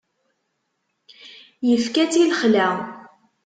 Ifka-tt i lexla.